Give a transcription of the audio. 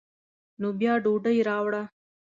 نو بیا ډوډۍ راوړه.